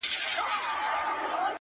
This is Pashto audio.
زه زما او ستا و دښمنانو ته؛